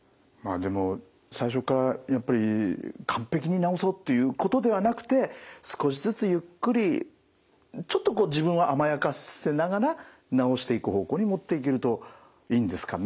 でも最初っからやっぱり完璧に治そうっていうことではなくて少しずつゆっくりちょっと自分を甘やかせながら治していく方向に持っていけるといいんですかね。